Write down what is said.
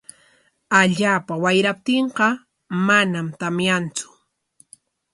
Allaapa wayraptinqa manam tamyantsu.